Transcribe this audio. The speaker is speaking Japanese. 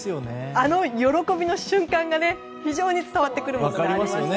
あの喜びの瞬間が非常に伝わってくるところがありますよね。